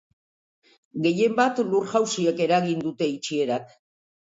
Gehienbat, lur-jausiek eragin dute itxierak.